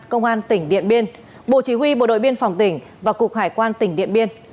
công an tỉnh điện biên bộ chỉ huy bộ đội biên phòng tỉnh và cục hải quan tỉnh điện biên